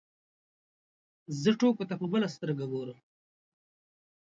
زه ټوکو ته په بله سترګه ګورم.